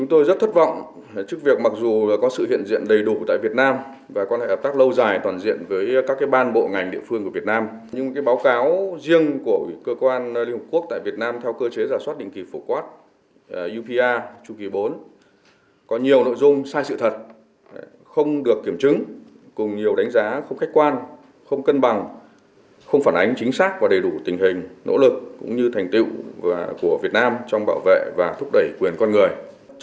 liên quan tới phản ứng của việt nam trước nội dung báo cáo theo cơ chế giả soát định kỳ phổ quát upr chu kỳ bốn của hội đồng nhân quyền liên hợp quốc